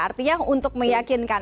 artinya untuk meyakinkan